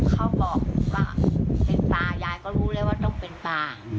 เขาบอกว่าเป็นปลายายก็รู้แล้วว่าต้องเป็นปลา